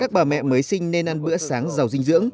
các bà mẹ mới sinh nên ăn bữa sáng giàu dinh dưỡng